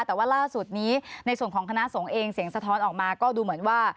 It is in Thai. แต่ว่าล่าสุดนี้ในส่วนของคณะสงฆ์เองเสียงสะท้อนออกมาก็ดูเหมือนว่า